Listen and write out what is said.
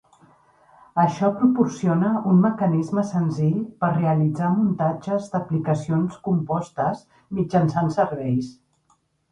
Això proporciona un mecanisme senzill per realitzar muntatges d'aplicacions compostes mitjançant serveis.